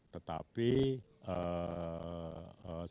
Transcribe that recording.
tetapi saya tidak berpikir